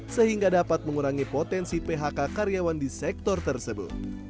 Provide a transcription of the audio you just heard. sehingga dapat mengurangi potensi phk karyawan di sektor tersebut